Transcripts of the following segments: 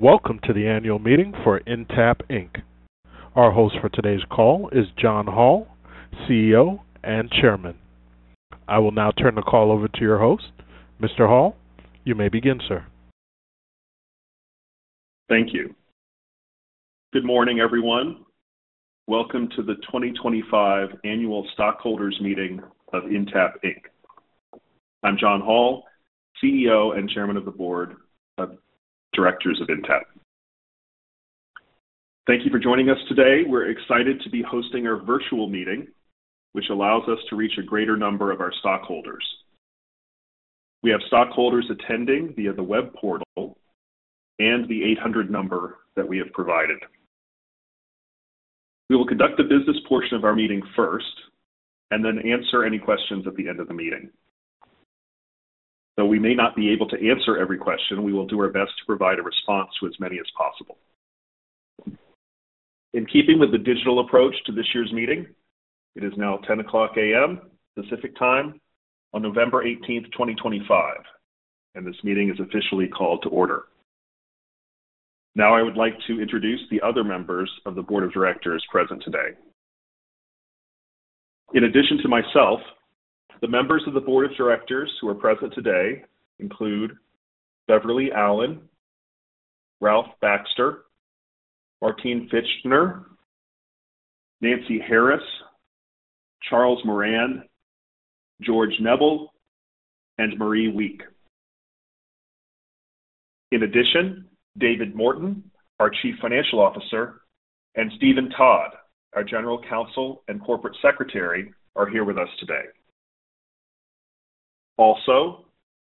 Welcome to the annual meeting for Intapp. Our host for today's call is John Hall, CEO and Chairman. I will now turn the call over to your host, Mr. Hall. You may begin, sir. Thank you. Good morning, everyone. Welcome to the 2025 Annual Stockholders Meeting of Intapp. I'm John Hall, CEO and Chairman of the Board of Directors of Intapp. Thank you for joining us today. We're excited to be hosting our virtual meeting, which allows us to reach a greater number of our stockholders. We have stockholders attending via the web portal and the 800 number that we have provided. We will conduct the business portion of our meeting first and then answer any questions at the end of the meeting. Though we may not be able to answer every question, we will do our best to provide a response to as many as possible. In keeping with the digital approach to this year's meeting, it is now 10:00 A.M. Pacific Time on November 18th, 2025, and this meeting is officially called to order. Now, I would like to introduce the other members of the Board of Directors present today. In addition to myself, the members of the Board of Directors who are present today include Beverly Allen, Ralph Baxter, Martine Fichtner, Nancy Harris, Charles Moran, George Neble, and Marie Wieck. In addition, David Morton, our Chief Financial Officer, and Steven Todd, our General Counsel and Corporate Secretary, are here with us today. Also,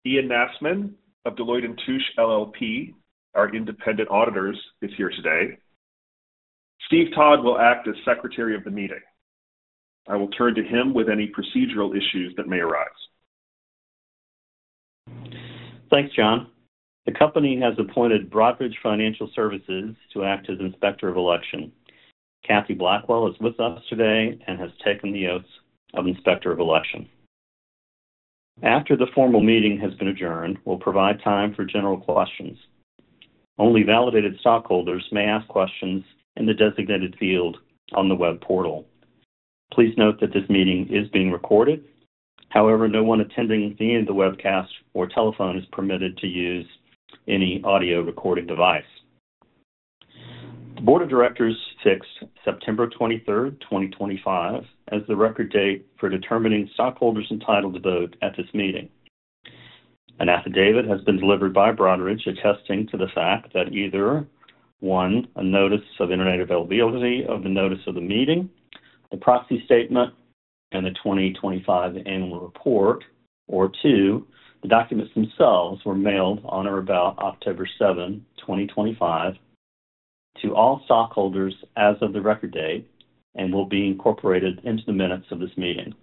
Ian Nasman of Deloitte & Touche LLP, our independent auditors, is here today. Steve Todd will act as Secretary of the Meeting. I will turn to him with any procedural issues that may arise. Thanks, John. The company has appointed Broadridge Financial Solutions to act as Inspector of Election. Kathy Blackwell is with us today and has taken the oath of Inspector of Election. After the formal meeting has been adjourned, we'll provide time for general questions. Only validated stockholders may ask questions in the designated field on the web portal. Please note that this meeting is being recorded. However, no one attending via the webcast or telephone is permitted to use any audio recording device. The Board of Directors fixed September 23rd, 2025, as the record date for determining stockholders entitled to vote at this meeting. An affidavit has been delivered by Broadridge attesting to the fact that either, one, a notice of internet availability of the notice of the meeting, the proxy statement, and the 2025 Annual Report, or two, the documents themselves were mailed on or about October 7th, 2025, to all stockholders as of the record date and will be incorporated into the minutes of this meeting.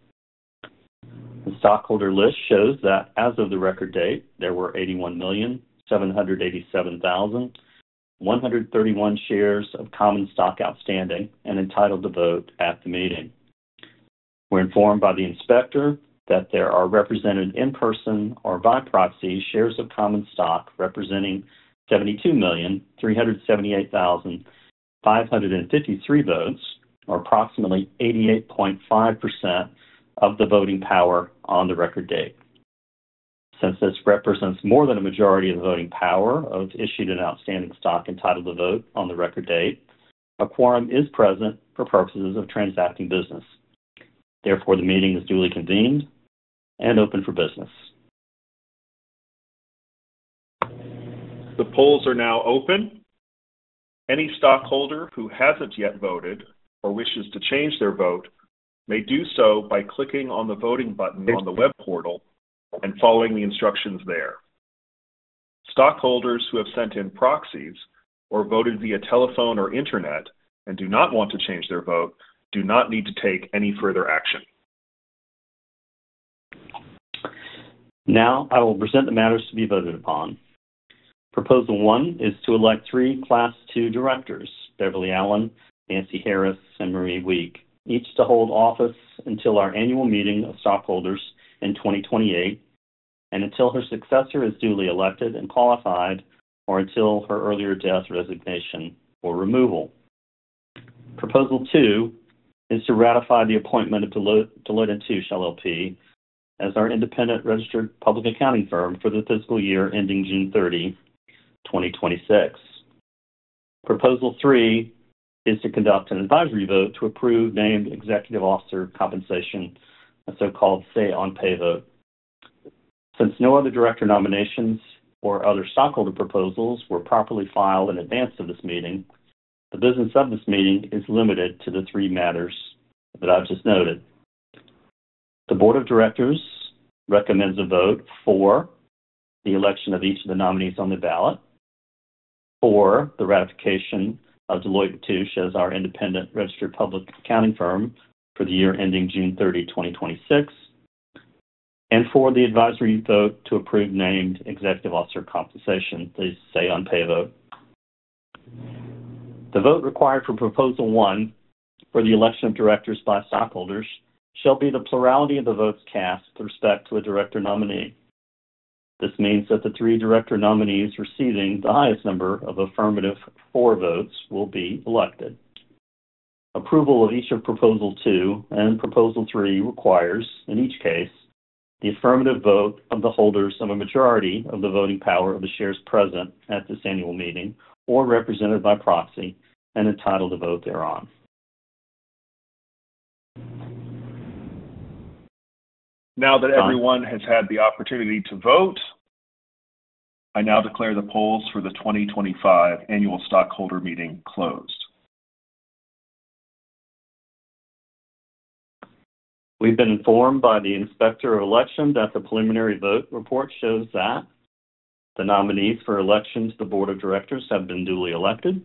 The stockholder list shows that as of the record date, there were 81,787,131 shares of common stock outstanding and entitled to vote at the meeting. We're informed by the inspector that there are represented in person or by proxy shares of common stock representing 72,378,553 votes, or approximately 88.5% of the voting power on the record date. Since this represents more than a majority of the voting power of issued and outstanding stock entitled to vote on the record date, a quorum is present for purposes of transacting business. Therefore, the meeting is duly convened and open for business. The polls are now open. Any stockholder who has not yet voted or wishes to change their vote may do so by clicking on the voting button on the web portal and following the instructions there. Stockholders who have sent in proxies or voted via telephone or internet and do not want to change their vote do not need to take any further action. Now, I will present the matters to be voted upon. Proposal One is to elect three Class 2 directors: Beverly Allen, Nancy Harris, and Marie Wieck, each to hold office until our Annual Meeting of Stockholders in 2028 and until her successor is duly elected and qualified or until her earlier death, resignation, or removal. Proposal Two is to ratify the appointment of Deloitte & Touche LLP as our independent registered public accounting firm for the fiscal year ending June 30, 2026. Proposal Three is to conduct an advisory vote to approve named executive officer compensation, a so-called say-on-pay vote. Since no other director nominations or other stockholder proposals were properly filed in advance of this meeting, the business of this meeting is limited to the three matters that I've just noted. The Board of Directors recommends a vote for the election of each of the nominees on the ballot, for the ratification of Deloitte & Touche as our independent registered public accounting firm for the year ending June 30, 2026, and for the advisory vote to approve named executive officer compensation, the say-on-pay vote. The vote required for Proposal One for the election of directors by stockholders shall be the plurality of the votes cast with respect to a director nominee. This means that the three director nominees receiving the highest number of affirmative for votes will be elected. Approval of each of Proposal Two and Proposal Three requires, in each case, the affirmative vote of the holders of a majority of the voting power of the shares present at this annual meeting or represented by proxy and entitled to vote thereon. Now that everyone has had the opportunity to vote, I now declare the polls for the 2025 Annual Stockholder Meeting closed. We've been informed by the Inspector of Election that the preliminary vote report shows that the nominees for election to the Board of Directors have been duly elected.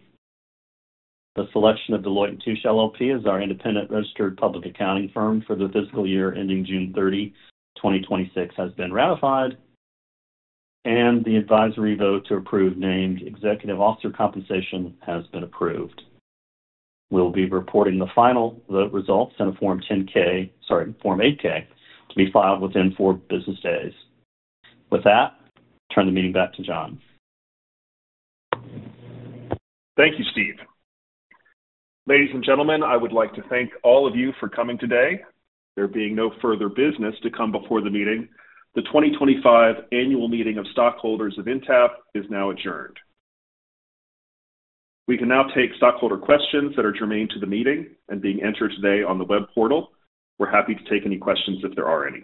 The selection of Deloitte & Touche LLP as our independent registered public accounting firm for the fiscal year ending June 30, 2026, has been ratified, and the advisory vote to approve named executive officer compensation has been approved. We'll be reporting the final vote results in a Form 10-K, sorry, Form 8-K, to be filed within four business days. With that, I turn the meeting back to John. Thank you, Steve. Ladies and gentlemen, I would like to thank all of you for coming today. There being no further business to come before the meeting, the 2025 Annual Meeting of Stockholders of Intapp is now adjourned. We can now take stockholder questions that are germane to the meeting and being entered today on the web portal. We're happy to take any questions if there are any.